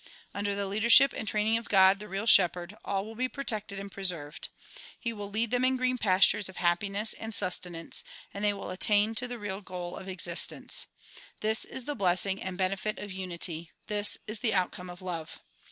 Under the leadership and training of God the real shepherd, all will be protected and preserved. He will lead them in green pastures of happiness and sustenance and they will attain to the real goal of existence. This is the blessing and benefit of unity ; this is the outcome of love.